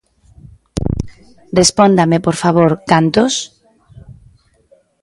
Respóndanme, por favor: ¿cantos?